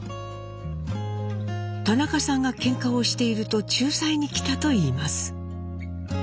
田中さんがけんかをしていると仲裁に来たといいます。